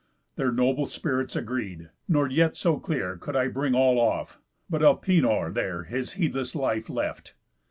Their noble spirits agreed; nor yet so clear Could I bring all off, but Elpenor there His heedless life left.